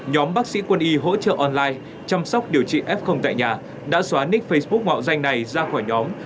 nhóm bác sĩ quân y hỗ trợ online chăm sóc điều trị f tại nhà đã xóa nick facebook mạo danh này ra khỏi nhóm